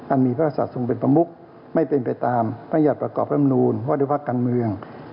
อันมีภาษาสูงเป็นประมุกไม่เป็นไปตามรัฐธรรมนูญวัฒนภาคการเมือง